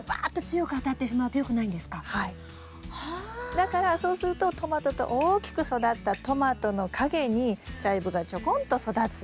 だからそうするとトマトと大きく育ったトマトの陰にチャイブがちょこんと育つ。